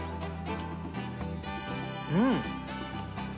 うん！